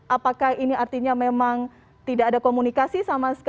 apakah ini artinya memang tidak ada komunikasi sama sekali